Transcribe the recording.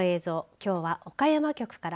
きょうは、岡山局から。